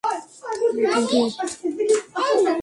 তাহলে তো গে।